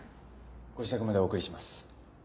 ご自宅までお送りします。